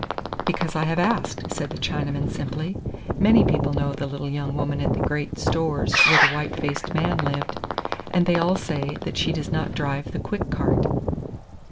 "Because I have asked," said the Chinaman simply. "Many people know the little young woman at the great Stores where the white faced man lived, and they all say that she does not drive the quick cart."